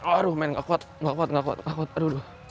aduh men nggak kuat nggak kuat nggak kuat